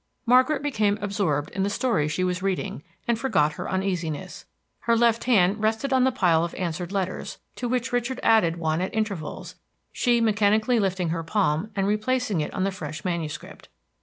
Margaret became absorbed in the story she was reading and forgot her uneasiness. Her left hand rested on the pile of answered letters, to which Richard added one at intervals, she mechanically lifting her palm and replacing it on the fresh manuscript.